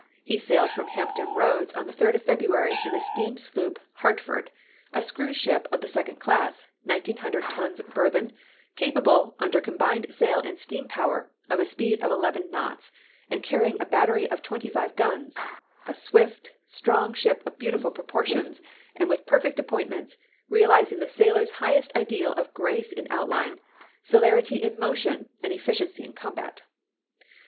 He sailed from Hampton Roads on the third of February in the steam sloop Hartford^ a screw ship of the second class, 1900 tons burthen, capable, under combined sail and steam power, of a speed of eleven knots, and carry ing a battery of twenty five guns — a swift, strong ship of beautiful proportions and with perfect ap pointments, realizing the sailor's highest ideal of gi'ace in outline, celerity in motion, and efficiency in combat.